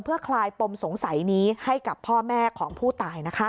เพื่อคลายปมสงสัยนี้ให้กับพ่อแม่ของผู้ตาย